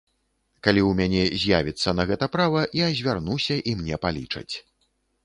Калі ў мяне з'явіцца на гэта права, я звярнуся і мне палічаць.